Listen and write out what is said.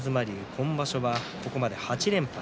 今場所はここまで８連敗。